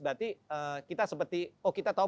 berarti kita seperti oh kita tahu